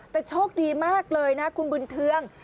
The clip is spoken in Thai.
แต่โชคดีมากเลยนะคุณบุญเทือง